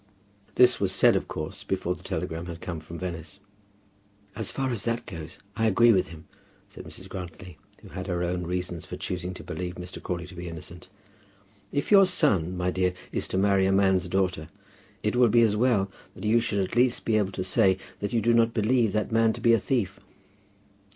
This was said of course before the telegram had come from Venice. "As far as that goes I agree with him," said Mrs. Grantly, who had her own reasons for choosing to believe Mr. Crawley to be innocent. "If your son, my dear, is to marry a man's daughter, it will be as well that you should at least be able to say that you do not believe that man to be a thief."